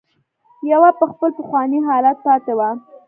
يوه په خپل پخواني حالت پاتې وه.